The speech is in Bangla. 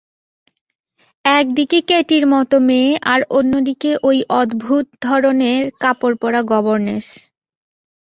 এক দিকে কেটির মতো মেয়ে, আর অন্য দিকে ঐ অদ্ভুত-ধরনে-কাপড়-পরা গবর্নেস।